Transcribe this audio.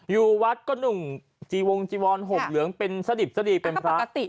อยู่วัดก็หนุ่มจีวงจีวรห่มเหลืองเป็นสดิบสดีเป็นพระ